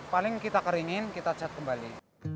paling kita keringin kita cat kembali